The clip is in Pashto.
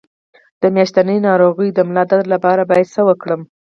د میاشتنۍ ناروغۍ د ملا درد لپاره باید څه وکړم؟